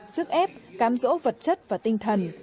sức ép cam rỗ vật chất và tinh thần